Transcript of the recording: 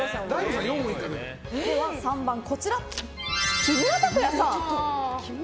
３番、木村拓哉さん。